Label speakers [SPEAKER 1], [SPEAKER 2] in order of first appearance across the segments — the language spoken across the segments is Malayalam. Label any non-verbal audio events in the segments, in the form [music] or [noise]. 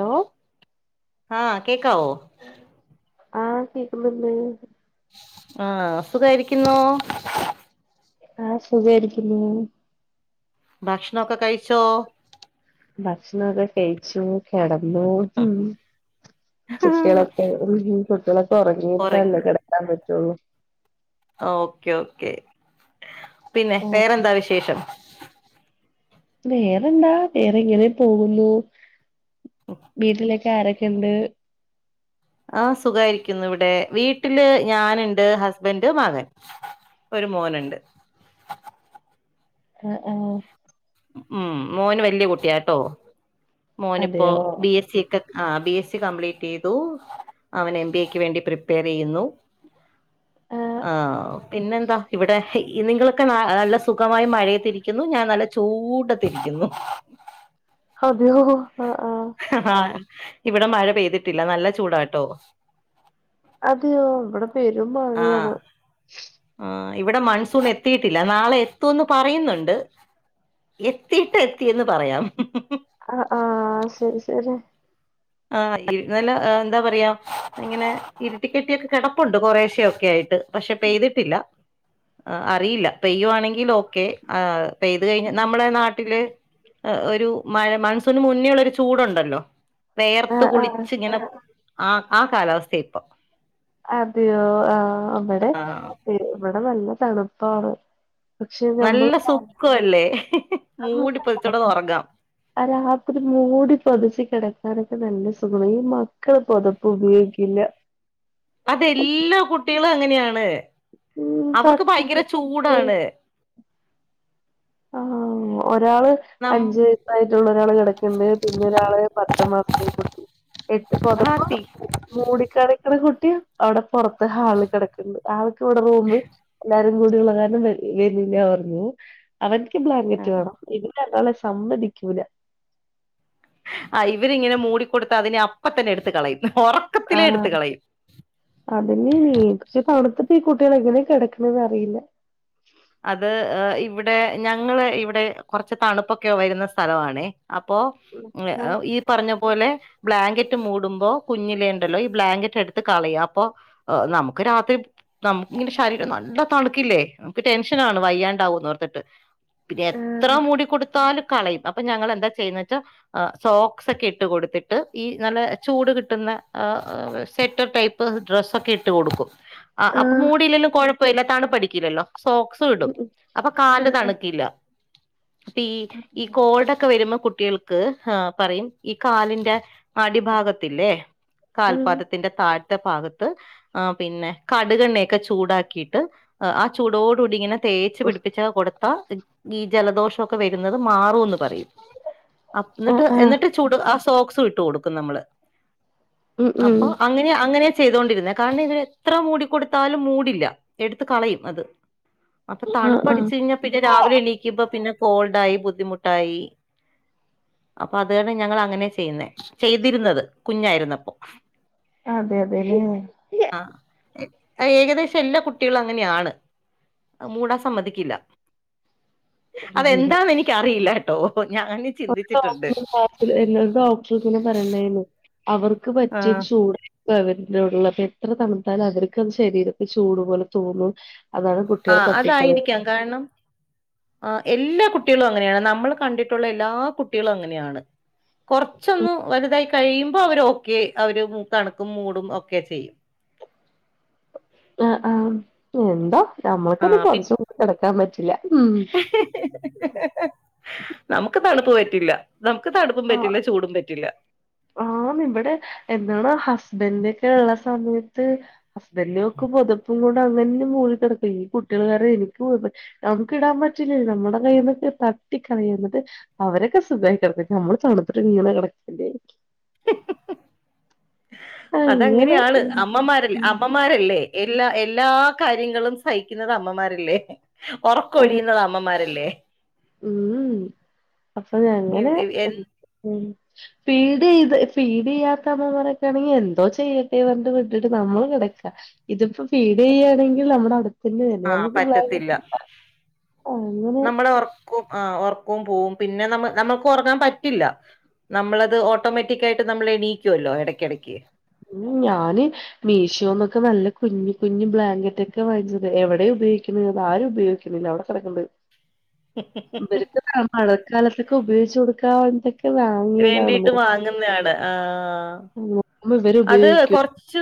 [SPEAKER 1] ലോ
[SPEAKER 2] ആ കേക്കാവോ?
[SPEAKER 1] ആ കേക്കുന്നുണ്ട്.
[SPEAKER 2] ആ സുഖായിരിക്കുന്നോ?
[SPEAKER 1] ആ സുഖായിരിക്കുന്നു.
[SPEAKER 2] ഭക്ഷണൊക്കെ കഴിച്ചോ?
[SPEAKER 1] ഭക്ഷണൊക്കെ കഴിച്ചു കെടന്നു. ഉം കുട്ടികളൊക്കെ കുട്ടികളൊക്കെ
[SPEAKER 2] ഒറങ്ങി
[SPEAKER 1] ഉറങ്ങീട്ടല്ലേ കിടക്കാൻ പറ്റുള്ളു.
[SPEAKER 2] ഓക്കെ ഓക്കെ പിന്നെ
[SPEAKER 1] ആഹ്
[SPEAKER 2] വേറെന്താ വിശേഷം.
[SPEAKER 1] വേറെന്താ വേറങ്ങനെ പോകുന്നു. വീട്ടിലക്കെ ആരൊക്കെ ഉണ്ട്?
[SPEAKER 2] ആ സുഖായിരിക്കുന്നു ഇവിടെ വീട്ടില് ഞാനിണ്ട്. ഹസ്ബൻഡ് മകൻ ഒരു മോനുണ്ട്.
[SPEAKER 1] ആ ആ
[SPEAKER 2] ഉം മോന് വലിയ കുട്ടിയാട്ടോ മോന് ഇപ്പോ
[SPEAKER 1] അതെയോ
[SPEAKER 2] ബി എസ് സി യൊക്കെ ആ ബി എസ് സി കംപ്ലീറ്റ് ചെയ്തു. അവൻ എം ബി എക്ക് വേണ്ടി പ്രിപ്പയർ ചെയ്യുന്നു.
[SPEAKER 1] ആഹ്
[SPEAKER 2] ആ പിന്നെ എന്താ ഇവിടെ നിങ്ങളൊക്കെ നല്ല സുഖമായി മഴയത്തിരിക്കുന്നു ഞാൻ നല്ല ചൂട ത്തിരിക്കുന്നു.
[SPEAKER 1] ഹോ ആ ആ
[SPEAKER 2] ഇവിടെ മഴ പെയ്തിട്ടില്ല. നല്ല ചൂടാട്ടോ
[SPEAKER 1] അതെയോ ഇവിടെ പെരും
[SPEAKER 2] ആഹ്
[SPEAKER 1] മഴയാണ്.
[SPEAKER 2] ആഹ് ഇവിടെ മൺസൂൺ എത്തിയിട്ടില്ല. നാളെ എത്തുന്ന് പറയുന്നുണ്ട്. എത്തീട്ട് എത്തിയെന്ന് പറയാം.
[SPEAKER 1] ആ ആ ശരി ശരി
[SPEAKER 2] ആ [unintelligible] എന്താ പറയാ ഇങ്ങനെ ഇരിട്ടിക്കെട്ടിയൊക്കെ കിടപ്പുണ്ട്. കൊറേശ്ശെ ഒക്കെ ആയിട്ട്. പക്ഷെ പെയ്തിട്ടില്ല. ആ അറിയില്ല പെയ്യുവാണെങ്കിൽ ഓക്കെ. ആ പെയ്ത് കഴിഞ്ഞ നമ്മളെ നാട്ടില് ഒരു മഴ മൺസൂൺ മുന്നേയുള്ള ഒരു ചൂടുണ്ടല്ലോ വെയർത്ത്
[SPEAKER 1] ആഹ് ആഹ്
[SPEAKER 2] കുളിച്ച് ഇങ്ങനെ ആ ആ കാലാവസ്ഥയാ ഇപ്പൊ
[SPEAKER 1] അതെയോ ആ അവിടെ
[SPEAKER 2] ആഹ്
[SPEAKER 1] ഇവിടെ നല്ല തണുപ്പാണ്.
[SPEAKER 2] നല്ല സുഖം അല്ലേ
[SPEAKER 1] ആ ആ രാത്രി മൂടി പൊതച്ച് കിട ക്കാനൊക്കെ നല്ല സുഖാണ്. ഈ മക്കള് പൊതപ്പ് ഉപയോഗിക്കില്ല.
[SPEAKER 2] അതെ എല്ലാ കുട്ടികളും അങ്ങനെയാണ്.
[SPEAKER 1] ഉം
[SPEAKER 2] അവർക്ക്
[SPEAKER 1] തട്ടി
[SPEAKER 2] ഭയങ്കര ചൂടാണ്.
[SPEAKER 1] ആ ഒരാള്
[SPEAKER 2] നം
[SPEAKER 1] അഞ്ച് വയസായിട്ടുള്ള ഒരാള് കിടക്കുന്ന് പിന്നൊരാള് പത്ത് മാസമായ കുട്ടി ഇട്ട്
[SPEAKER 2] ആ
[SPEAKER 1] പൊതപ്പ്
[SPEAKER 2] തീ
[SPEAKER 1] മൂടിക്കിടക്കുന്ന കു ട്ടി അവിടെ പുറത്ത് ഹാള് കിടക്കണ്ട് ആൾക്ക് ഇവിടെ റൂമ് എല്ലാരുംകൂടി ഉളള കാരണം വരു പറഞ്ഞു അവനിക്ക് ബ്ലാങ്കറ്റ് വേണം. ഇതിന് അതാണെ സമ്മതിക്കൂല
[SPEAKER 2] ആഹ് ഇവരിങ്ങനെ മൂടിക്കൊടുത്ത അതിനെ അപ്പ തന്നെ എടുത്ത് കളയും
[SPEAKER 1] ആ
[SPEAKER 2] ഒറക്കത്തിലേ എടുത്ത് കളയും
[SPEAKER 1] അതിനീച്ച് തണുത്തി ഈ കുട്ടികളെങ്ങനെ കിടക്കണ അറിയില്ല
[SPEAKER 2] അത് ഇവിടെ ഞങ്ങള് ഇവിടെ കുറച്ച് തണുപ്പൊക്കെ വരുന്ന സ്ഥലമാണേ അപ്പോ ഈ പറഞ്ഞ പോലെ ബ്ലാങ്കറ്റ് മൂടുമ്പോ കുഞ്ഞിലേ ഉണ്ടല്ലോ ഈ ബ്ലാങ്കറ്റ് എടുത്ത് കളയാ അപ്പോ നമുക്ക് രാത്രി നമുക്കിങ്ങനെ ശരീരം നല്ല തണുക്കില്ലേ ക്ക് ടെൻഷനാണ് വയ്യാണ്ടാവു പറഞ്ഞിട്ട്. പിന്നെ എത്ര മൂടിക്കൊടുത്താലും കളയും. പ്പൊ ഞങ്ങളെന്താ ചെയ്യുന്ന വെച്ചാ സോക്സ്സൊക്കെ ഇട്ട് കൊടുത്തിട്ട് ഈ നല്ല ചൂട് കിട്ടുന്ന അ അ സെറ്റർ ടൈപ്പ് ഡ്രസ്സൊക്കെ ഇട്ട് കൊടുക്കും. ആഹ് അപ്പൊ മൂടില്ലേലും കുഴപ്പമില്ല തണുപ്പടിക്കില്ലല്ലോ സോക്സ് ഇടും അപ്പൊ കാല് തണുക്കില്ല അപ്പീ ഈ ഈ കോൾടൊക്കെ വരുമ്പോ കുട്ടികൾക്ക് ആഹ് പറയും ഈ കാലിന്റെ അടിഭാഗത്തില്ലേ കാൽപാതത്തിന്റെ താഴ് ത്തെ ഭാഗത്ത് ആ പിന്നെ കടുകെണ്ണയൊക്കെ ചൂടാക്കിയിട്ട് ആ ചൂടോട് കൂടി ഇങ്ങനെ തേച്ച് പിടിപ്പിച്ച് കൊടുത്ത ഈ ജലദോഷൊക്കെ വരുന്നത് മാറൂന്ന് പറയും അ എന്നിട്ട് എന്നിട്ട് ചൂട് ആ സോക്സ് ട്ട് കൊടുക്കും നമ്മള് അപ്പോ അങ്ങനെ അങ്ങനെ ചെയ്തൊണ്ടിരുന്നെ കാരണം ഇതെത്ര മൂടിക്കൊടുത്താലും മൂടില്ല എടുത്ത് കളയും അത് അപ്പൊ
[SPEAKER 1] ആ,
[SPEAKER 2] തണുപ്പ്
[SPEAKER 1] ആ.
[SPEAKER 2] അടിച്ചു കഴിഞ്ഞാ പിന്നെ രാവിലെ എണീക്കുമ്പോ പിന്നെ കോൾഡായി ബുദ്ധിമുട്ടായി അപ്പൊ അതാണ് ഞങ്ങൾ അങ്ങനെ ചെയ്യുന്നേ ചെയ്തിരുന്നത് കുഞ്ഞായിരുന്നപ്പൊ.
[SPEAKER 1] അതെ അതെല്ലേ
[SPEAKER 2] ഏകദേശം എല്ലാ കുട്ടികളും അങ്ങനെയാണ് മൂടാൻ സമ്മതിക്കില്ല
[SPEAKER 1] ഉം.
[SPEAKER 2] അതെന്താന്ന് എനിക്കറിയില്ല കേട്ടോ ഞാന്
[SPEAKER 1] ഒരു
[SPEAKER 2] ചിന്തിച്ചിട്ടുണ്ട്
[SPEAKER 1] ഡോക്ടർ പോയി കാണിച്ച് എന്നിട്ട് ഡോക്ടർ ഇങ്ങനെ പറയുന്നേ നോക്കി അവർക്ക്
[SPEAKER 2] ആ
[SPEAKER 1] പറ്റിയ ചൂട് അവടെോടുള്ള അപ്പൊ എത്ര തണുത്താലും അവർക്കത് ശരീരത്തിൽ ചൂടു പോലെ തോന്നും അതാണ്
[SPEAKER 2] ആ
[SPEAKER 1] കുട്ടികൾ തട്ടിക്കളയും
[SPEAKER 2] അതായിരിക്കാം. കാരണം, ആ എല്ലാ കുട്ടികളും അങ്ങനെയാണ്. നമ്മൾ കണ്ടിട്ടുള്ള എല്ലാ കുട്ടികളും അങ്ങനെയാണ് കുറച്ചൊന്ന് വലുതായി കഴിയുമ്പോ അവർ ഓക്കെ അവര് കണക്കും മൂടും ഒക്കെ ചെയ്യും.
[SPEAKER 1] ആ ആ എന്താ
[SPEAKER 2] ആ
[SPEAKER 1] നമ്മൾക്കത്
[SPEAKER 2] പി
[SPEAKER 1] പൊതച് മൂടി കിടക്കാൻ പറ്റി ല്ല ഉം
[SPEAKER 2] നമുക്ക് തണുപ്പ് പറ്റില്ല. നമുക്ക് തണുപ്പും പറ്റില്ല, ചൂടും പറ്റില്ല.
[SPEAKER 1] ആഹ് ഇവിടെ എന്താണ് ഹസ്ബൻന്റ ഒക്കെ ഉള്ള സമയത്ത് ഹസ്ബന്റൊക്കെ പൊതപ്പ് മൂ ങ്ങനെ മൂടിക്കിടക്ക ഈ കുട്ടികൾക്കാരണം എനിക്ക് പൊതപ്പ നമുക്ക് ഇടാൻ പറ്റില്ലേ നമ്മുടെ കൈന്നൊക്കെ ത ട്ടിക്കളയും [unintelligible] അവരൊക്കെ സുഖായിട്ടുറങ്ങും നമ്മള് തണുത്തിട്ട് ഇങ്ങനെ കിടക്കേണ്ടിവരും അങ്ങനെ
[SPEAKER 2] അതങ്ങനെയാണ്
[SPEAKER 1] ഉം
[SPEAKER 2] അമ്മമാരല്ല
[SPEAKER 1] ഉം
[SPEAKER 2] അമ്മമാരല്ലേ എല്ലാ എല്ലാ കാര്യങ്ങളും സഹിക്കുന്നുന്നത് അമ്മമാരല്ലേ ഉറക്കൊഴിയുന്നത് അമ്മമാര് അല്ലേ
[SPEAKER 1] ഉം അപ്പൊ
[SPEAKER 2] ഇവ്
[SPEAKER 1] അങ്ങനെ
[SPEAKER 2] ഇവ് എൻ
[SPEAKER 1] ഉം ഫീഡ് ചെയ്ത് ഫീഡ് ചെയ്യാത്തമ്മ മാരൊക്കെ ആണെങ്കിൽ എന്തോ ചെയ്യട്ടെ പറഞ്ഞിട്ട് വിട്ടിട്ട് നമ്മൾ കിടക് ക്കതിപ്പോ ഫീഡ് ചെയ്യാണെങ്കിൽ നമ്മടെ അട പിന്നെ തന്നെ
[SPEAKER 2] ആഹ്
[SPEAKER 1] നമ്മുക്ക്
[SPEAKER 2] പറ്റത്തില്ല.
[SPEAKER 1] വൈകിട്ട അങ്ങനെ
[SPEAKER 2] ഒറക്കോം പോവും പിന്നെ നമ്മ നമ്മക്ക് ഉറങ്ങാൻ പറ്റില്ല. നമ്മളത് ഓട്ടോമാറ്റിക് ആയിട്ട് നമ്മൾ എണീക്കുവല്ലോ ഇടക്കിടക്ക്.
[SPEAKER 1] ഉം ഞാന് മീഷോന്നൊക്കെ നല്ല കുഞ് കുഞ്ഞ് ബ്ലാങ്കറ്റ് ഒക്കെ വാങ്ങിച്ചത് എവിടെയാണ് ഉപയോഗിക്കുന്നത്. അ ആരും ഉപയോഗിക്കില്ലില്ല അവിടെ കിടക്ണ്ട് ഇവര്ക്ക മഴക്കാലത്തൊക്കെ ഉപയോഗിച്ചു കൊടുക്കാ [unintelligible]
[SPEAKER 2] വേണ്ടിട്ട് വാങ്ങുന്നതാണ് ആഹ
[SPEAKER 1] നോക്കുമ്പോ ഇവര്
[SPEAKER 2] അത്
[SPEAKER 1] ഉപയോഗിക്കും
[SPEAKER 2] കൊറച്ച്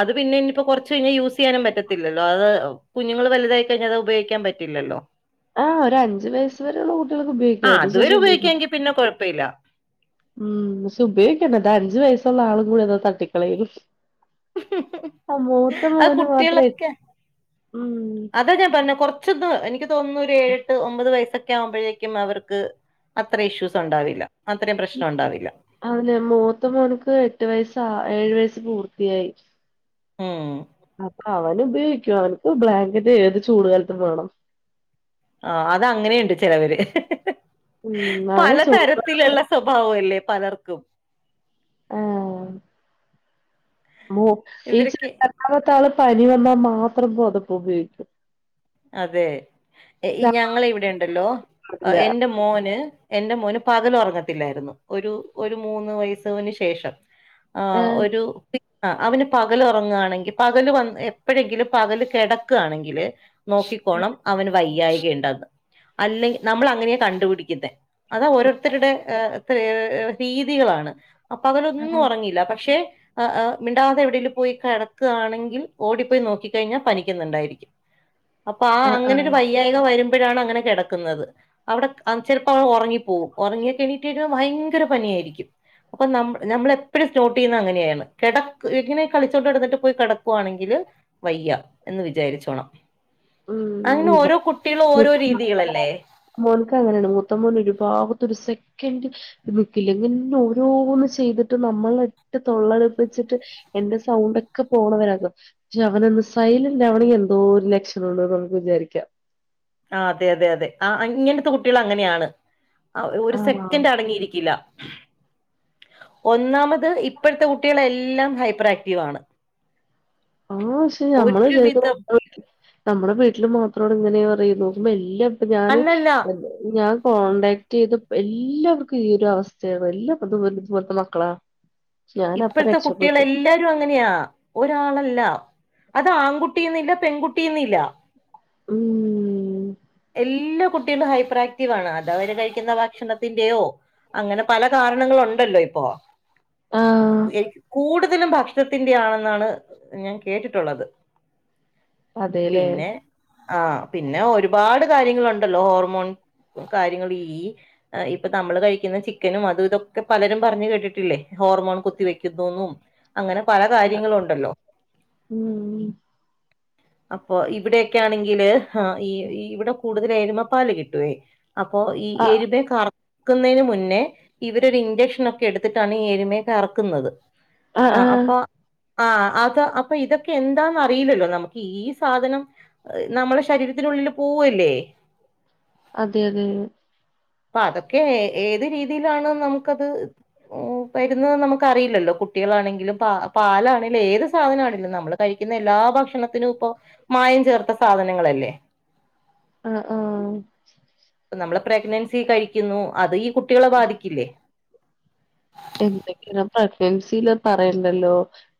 [SPEAKER 2] അത് പിന്നെ ഇനിയിപ്പോ കുറച്ച് കഴിഞ്ഞാ യൂസ് ചെയ്യാനും പറ്റത്തില്ലോ അത് കുഞ്ഞുങ്ങള് വലുതായി കഴിഞ്ഞാൽ അത് ഉപയോഗിക്കാൻ പ റ്റില്ലല്ലോ?
[SPEAKER 1] ആ ഒരു അഞ്ച് വയസ്സ് വരെയുള്ള കു
[SPEAKER 2] ആ അതുവരെ ഉപയോഗിക്കാങ്കി പിന്നെ കൊഴപ്പല്ല
[SPEAKER 1] ഉം പക്ഷേ ഉപയോഗിക്കണ്ട അതാ അഞ്ചു വയസുള്ള ആളും കൂടി അതാ തട്ടിക്കളയു ആ
[SPEAKER 2] അത്
[SPEAKER 1] മൂത്തമോന് മാത്രം
[SPEAKER 2] കുട്ടികളൊക്കെ
[SPEAKER 1] [unintelligible]
[SPEAKER 2] അതാ ഞാൻ പറഞ്ഞ കൊറച്ചൊന്ന് എനിക്ക് [unintelligible] ഏഴട്ട് ഒമ്പത് വയസൊക്കെ ആവുമ്പോഴേക്കും അവർക്ക് അത്ര ഇഷ്യൂസ് ഉണ്ടാവില്ല. അത്രയും പ്രശ്നം ഉണ്ടാവില്ല
[SPEAKER 1] അല്ലെ മൂത്ത മോന്ക്ക് എട്ട് വയസ് ഏഴു വയസ് പൂർത്തിയായി.
[SPEAKER 2] ഉം
[SPEAKER 1] അവൻ ഉപയോഗിക്കും അവനക്ക് ബ്ലാങ്കറ്റ് ഏത് ചൂട് കാലത്ത് വേണം.
[SPEAKER 2] ആ അത് അങ്ങനെയുണ്ട് ചെലവര്.
[SPEAKER 1] ഉം
[SPEAKER 2] പല
[SPEAKER 1] അവന് ചൂട്
[SPEAKER 2] തരത്തിലുള്ള സ്വഭാവം അല്ലേ പലർക്കും.
[SPEAKER 1] [unintelligible]
[SPEAKER 2] ഇവരൊക്കെ
[SPEAKER 1] പനി വന്നാ മാത്രം പോതപ്പ് ഉപയോഗിക്കും.
[SPEAKER 2] അതെ ഞങ്ങള ഇവിടെ ഇണ്ടല്ലോ
[SPEAKER 1] ഇല്ല
[SPEAKER 2] എന്റെമോന് എന്റെ മോന് പകല ഉറങ്ങത്തില്ലായിരുന്നു ഒരു ഒരു മൂന്ന് വയസ്സവിന് ശേഷം. ആ
[SPEAKER 1] ആഹ്
[SPEAKER 2] ഒരു [unintelligible] ആ അവന് പകൽ ഉറങ്ങണെങ്കിൽ പകല് വന്ന് എപ്പോഴെങ്കിലും പകല് കിടക്കാണെങ്കില്. നോക്കിക്കോണം അവന് വയ്യായികണ്ടന്ന്. അല്ലെ നമ്മൾ അങ്ങനെയാ കണ്ടുപിടിക്കുന്നത്െ [unintelligible] അതാ ഓരോരുത്തരുടെ രീതികളാണ്. [unintelligible] അപ്പൊ അവലൊന്നും
[SPEAKER 1] ആഹ്
[SPEAKER 2] ഉറങ്ങയില്ല പക്ഷെ ആ ആ മിണ്ടാതെ എവിടേൽ പോയി കെടക്കാണെങ്കിൽ ഓടിപ്പോയി നോക്കിക്കഴിഞ്ഞാൽ പനിക്കുന്നുണ്ടാരിക്കും പനിക്കായിരിക്കും. അപ്പൊ ആ
[SPEAKER 1] ആഹ്
[SPEAKER 2] അങ്ങനെ
[SPEAKER 1] ആഹ്
[SPEAKER 2] ഒരു വയ്യായിക വരുമ്പോഴാണ് അങ്ങനെ കിടക്കുന്നത് അവിടെ ചിലപ്പോ ഉറ [unintelligible] ഉറങ്ങിപ്പോകും ഉറങ്ങിയെ എണീട്ടി ഭയങ്കര പനിയായിരിക്കും. അപ്പൊ ന നമ്മള എപ്പോഴും സ്നോട്ട് ചെയ്യുന്ന അങ്ങനെയാണ് കിട ഇങ്ങനെ കളിച്ചോണ്ട്ി [unintelligible] ടന്നിട്ട് പോയി കിടക്കുകവാണെങ്കിൽ. വയ്യ എന്ന് വിചാരിച്ചോണം. അങ്ങനെ
[SPEAKER 1] ഉം ഇവൻ
[SPEAKER 2] ഓരോ കുട്ടികളും ഓരോ രീതികളല്ലേ?
[SPEAKER 1] മോൻക്ക് അങ്ങനെയാണ് മൂത്ത മോൻ ഒരു ഭാഗത്ത ഒരു സെക [unintelligible] നിക്കില്ലങ്ങെ ഓരോന്ന് ചെയ്തിട്ട് നമ്മള ഇട്ട് തൊള്ളടുപ്പിച്ചിട്ട് എന്റെ സൗണ്ട ഒക്കെ പോണവരാക പക്ഷെ അവനൊന്നു സൈലന്റ് അവൻ എന്തോ ലക്ഷ നക്ക് വിചാരിക്കാം [unintelligible]
[SPEAKER 2] ആ അതെ അതെ അതെ ആ ഇങ്ങനത്തെ കുട്ടികൾ അങ്ങനെയാണ്. ആ ഒരു
[SPEAKER 1] ആഹ്
[SPEAKER 2] സെക്കൻഡ് അടങ്ങിയിരിക്കില്ല. ഒന്നാമത് ഇപ്പോഴത്തെ കുട്ടികളെല്ലാം ഹൈപ്പർ ആക്റ്റീവ് ആണ്.
[SPEAKER 1] ആഹ ശെ ഞമ്മള് ച
[SPEAKER 2] ഒരുവിധം
[SPEAKER 1] [unintelligible] നമ്മളുടെ വീട്ടിൽ മാത്രോമാണ് ഇങ്ങനെ പറയുമ്പോ എല്ലാം ഇപ്പ ഞാൻ
[SPEAKER 2] അല്ലല്ല
[SPEAKER 1] ഞാ- കോടാക്ട് ചെയ്ത് എല്ലാവർക്കും ഈ ഒരു അവസ്ഥയാണ് എല്ലാം ഇതുപല ഇതുപോലത്തെ മക്കളാ. ഞാൻ അപ്പ
[SPEAKER 2] ഇപ്പോഴത്തെ കുട്ടികൾ
[SPEAKER 1] രക്ഷപ്പെട്ടു
[SPEAKER 2] എല്ലാരും അങ്ങനെയാ ഒരാളല്ല അത് ആൺകുട്ടിയന്നില്ല. പെൺകുട്ടിന്നില്ല.
[SPEAKER 1] ഉം
[SPEAKER 2] എല്ലാ കുട്ടികളും ഹൈപ്പർാക്റ്റീവ ആണ് അത് അവര് കഴിക്കുന്ന ഭക്ഷണത്തിന്റെയോ, അങ്ങനെ പല കാരണങ്ങളുണ്ടല്ലോ ഇപ്പോൊ
[SPEAKER 1] ആഹ്
[SPEAKER 2] കൂടുത - [unintelligible] കതിലും ഭക്ഷണത്തിന്റെ ആണെന്നാണ് ഞാൻ കേട്ടിട്ടുള്ളത്.
[SPEAKER 1] അതേല്ലേ
[SPEAKER 2] പിന്നെ ആ പിന്നെ ഒരുപാട് കാര്യങ്ങളുണ്ടല്ലോ ഹോർമോൺ കാര്യങ്ങൾ ഈ ഇപ്പൊ നമ്മള് കഴിക്കുന്ന ചിക്കനും അത്ഇതൊക്കെ പലരും പറഞ്ഞ് കേട്ടിട്ടില്ലേ ഹോർമോൺ കുത്തി വെക്കുന്നൂന്നും അങ്ങനെ പല കാര്യങ്ങളുണ്ടല്ലോ
[SPEAKER 1] ഉം
[SPEAKER 2] അപ്പൊ ഇവിടെയൊക്കെയാണെങ്കില് ഹാ ഇവിടെ കൂടുതല് എരുമപ്പാല് കിട്ടുവേ അപ്പൊ ഈ
[SPEAKER 1] ആഹ്
[SPEAKER 2] എരുമയെ കറ ക്കുന്നതിന് മുന്നേ ഇവരൊരിഞ്ചക്ഷനൊക്കെടുത്തിട്ടാണ് ഈ എരുമയെ കറക്കുന്നത്
[SPEAKER 1] ആഹ്
[SPEAKER 2] ആ
[SPEAKER 1] ആഹ്
[SPEAKER 2] അപ്പൊ ആ അതാ അപ്പൊ ഇതൊക്കെയെന്താന്നറിയില്ലല്ലോ നമുക്ക് ഈ സാധനം നമ്മൾടെ ശരീരത്തിനുള്ളില് പോവല്ലെ
[SPEAKER 1] അതെയതെ
[SPEAKER 2] അപ്പതൊക്കെ ഏത് രീതിയിലാണ് നമ്മുക്കത് വരുന്നത് നമുക്കറിയില്ലല്ലോ കുട്ടികളാണെങ്കിലും പ പാലാണെലും ഏത് സാധനാണെലും നമ്മള് കഴി ക്കുന്നെല്ലാ ഭക്ഷണത്തിനുപ്പൊ മായം ചേർത്ത സാധനങ്ങളല്ലേ
[SPEAKER 1] ആ ആ
[SPEAKER 2] പ്പ നമ്മള് പ്രെഗ്നന്റ്സി കഴിക്കുന്നു അത് ഈ കുട്ടികളെ ബാധിക്കില്ലേ
[SPEAKER 1] എന്തെങ്കിലും പ്രഗ്നൻസില് പറയണ്ടല്ലോ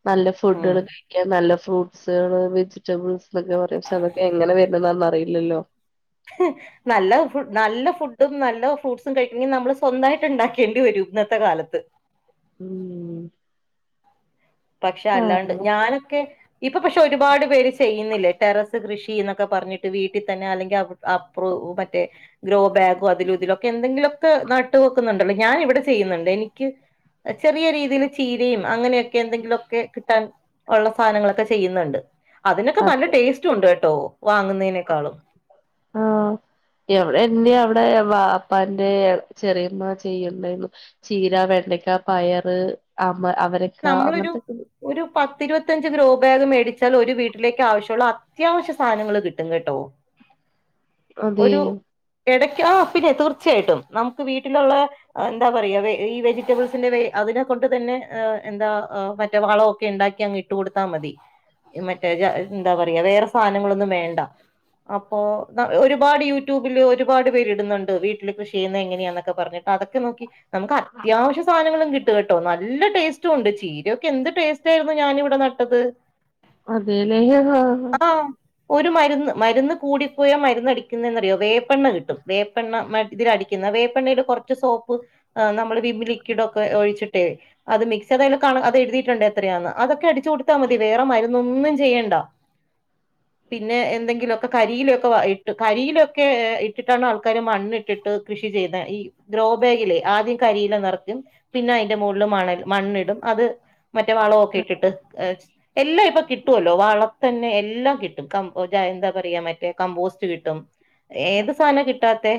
[SPEAKER 1] നല്ല
[SPEAKER 2] ഉം
[SPEAKER 1] ഫുഡ്ഡ്കള് കയിക്കാൻ നല്ല ഫ്രൂട്ട്സ്കള് വെജിറ്റബിൾസ് എന്നൊക്കെ പറയും പക്ഷതൊക്കെങ്ങനെ വരുന്നതാന്നറിയില്ലല്ലോ.
[SPEAKER 2] നല്ല ഫു നല്ല ഫുഡും നല്ല ഫ്രൂട്ട്സും കഴിക്കണെങ്കി നമ്മള് സ്വന്തമായിട്ട്ണ്ടാക്കേണ്ടി വരും ഇന്നത്തെ കാലത്ത്
[SPEAKER 1] ഉം
[SPEAKER 2] പക്ഷെ അല്ലാണ്ട്
[SPEAKER 1] ആഹ്
[SPEAKER 2] ഞാനൊക്കെ ഇപ്പൊ പക്ഷെ ഒരുപാട് പേര് ചെയ്യുന്നില്ലേ ടെറസ് കൃഷി എന്നൊക്കെ പറഞ്ഞിട്ട് വീട്ടിതന്നെ അല്ലെങ്കി അപ്പ്റോ മറ്റേ ഗ്രോ ബാഗോ അതിലും ഇതിലോക്കെന്തെങ്കിലൊക്കെ നട്ട് വെക്കുന്നുണ്ടല്ലോ ഞാൻ ഇവിടെ ചെയ്യുന്നുണ്ട് എനിക്ക് ചെറിയ രീതില് ചീരയും അങ്ങനെയൊ ക്കെന്തെങ്കിലൊക്കെ കിട്ടാൻ ഉള്ള സാനങ്ങളൊക്കെ ചെയ്യുന്നുണ്ട് അതിനൊക്കെ നല്ല
[SPEAKER 1] അതെ
[SPEAKER 2] ടേസ്റ്റു ഉണ്ട് കെട്ടോ വാങ്ങുന്നതിനേക്കാളും
[SPEAKER 1] ആ എവിടെന്നെയവിടെ വാപ്പാന്റെ ചെറിയുമ്മ ചെയ്യ്ണ്ടായിരുന്നു ചീര വെണ്ട ണ്ടക്കാ പയറ് അമ അവരക്കാ അങ്ങനത്തെക്ക്ണ്ട്
[SPEAKER 2] ഇരുപത്തഞ്ച് ഗ്രോ ബാഗ് മേടിച്ചാൽ ഒരു വീട്ടിലേക്ക് ആവശ്യുള്ള അത്യാവശ്യ സാനങ്ങള് കിട്ടും കെട്ടോ [inaudible]
[SPEAKER 1] അതേ
[SPEAKER 2] ആ പിന്നെ തീർച്ചയായിട്ടും നമുക്ക് വീട്ടിലുള്ള എന്താപറയാ ഈ വെജിറ്റബിൾസിന്റെ വേ അതിനെ കൊ ണ്ട്തന്നെ എന്താ മറ്റേ വളം ഒക്കെ ഇണ്ടാക്കി അങ്ങിട്ട് കൊടുത്താ മതി മറ്റേ എന്താ പറയാ വേറെ സാനങ്ങളൊന്നും വേണ്ട അപ്പൊ ഒരുപാട് യൂട്യൂബില് ഒരുപാട് പേരിടുന്നുണ്ട് വീട്ടില് കൃഷിയെയ്യുന്നതെങ്ങനെയാന്നൊക്കെ പറഞ്ഞിട്ട് അതൊക്കെ നോക്കി നമുക്ക് അത്യാവശ്യ സാനങ്ങളും കിട്ടുംകെട്ടോ നല്ല ടേ സ്റ്റുണ്ട് ചീരയൊക്കെ എന്ത് ടേസ്റ്റായിരുന്നു ഞാനിവിടെ നട്ടത്
[SPEAKER 1] അതേല്ലേ ഇ-ഹാ-ഹാ
[SPEAKER 2] ആഹ് ഒരു മരുന്ന് മരുന്ന് കൂടിപ്പോയാ മരുന്ന് അടിക്കുന്നെന്നറിയോ വേപ്പെണ്ണ കിട്ടും വേപ്പെണ്ണ മ ഇതിലടിക്കുന്നെ വേപ്പെണ്ണയുടെ കൊറച്ച് സോപ്പ് നമ്മള് വിം ലിക്വിഡൊക്കെ ഒഴിച്ചിട്ടേ അത് മിക്സ് സഅതില്കാണും അത് എഴുതിയിട്ടുണ്ട് എത്രയാന്ന് അതൊക്കെ അടിച്ചു കൊടുത്താ മതി വേറെ മരുന്നൊന്നും ചെയ്യേണ്ട [inaudible] പിന്നെ എന്തെങ്കിലൊക്കെ കരിയിലയൊക്കെ ഇട്ട് കരിയിലയൊക്കെ് ഇട്ടിട്ടാണ് ആൾക്കാര് മണ്ണിട്ടിട്ട് കൃഷി ചെയ്യുന്നേ ഈ ഗ്രോബാഗിലെ ആദ്യം കരിയില നിറക്കും പിന്നെ അയിന്റെ മുകളില് മണലും മണ്ണിടും അത് മറ്റേ വളവൊക്കിട്ടിട്ട് എല്ലാം ഇപ്പൊ കി ട്ടുവല്ലോ വളംതന്നെ എല്ലാം കിട്ടും എന്താ പറയാ മറ്റേ കമ്പോസ്റ്റ് കിട്ടും ഏത് സാനാ കിട്ടാത്തെ